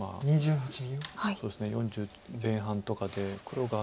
そうですね４０前半とかで黒が５０。